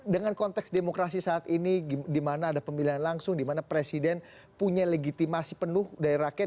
dengan konteks demokrasi saat ini di mana ada pemilihan langsung di mana presiden punya legitimasi penuh dari rakyat